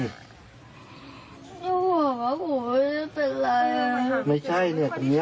ผมหวังว่าผมไม่ได้เป็นไร